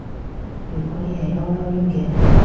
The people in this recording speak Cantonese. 如果你係囉囉攣嘅